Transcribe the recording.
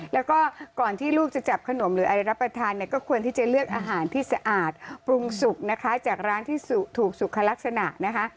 แล้วก็ก่อนที่ลูกจะจับขนมหรืออะไรรับประทานเนี่ยก็ควรที่จะเลือกอาหารที่สะอาดปรุงสุกนะคะจากร้านที่ถูกสุขลักษณะนะคะ